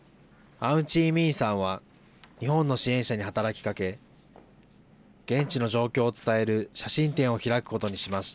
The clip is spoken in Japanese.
アウンチーミィンさんは日本の支援者に働きかけ現地の状況を伝える写真展を開くことにしました。